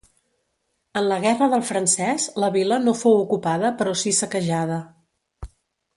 En la Guerra del Francès, la vila no fou ocupada però sí saquejada.